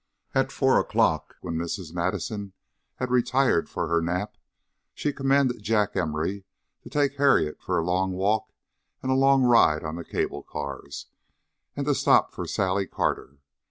At four o'clock, when Mrs. Madison had retired for her nap, she commanded Jack Emory to take Harriet for a long walk and a long ride on the cable cars, and to stop for Sally Carter.